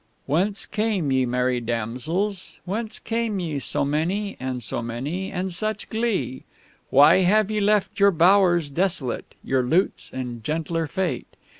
_"Whence came ye, merry Damsels! Whence came ye So many, and so many, and such glee? Why have ye left your bowers desolate, Your lutes, and gentler fate?